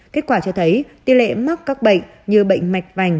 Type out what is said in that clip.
kết quả cho thấy tỷ lệ mắc các bệnh như bệnh mạch vành